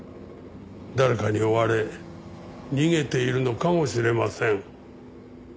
誰かに追われ逃げているのかもしれません。